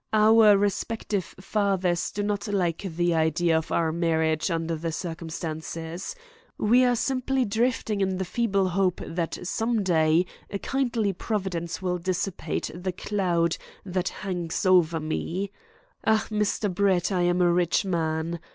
Our respective fathers do not like the idea of our marriage under the circumstances. We are simply drifting in the feeble hope that some day a kindly Providence will dissipate the cloud that hangs over me. Ah, Mr. Brett, I am a rich man.